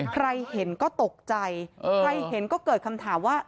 ใครเห็นก็ตกใจใครเห็นก็เกิดคำถามว่า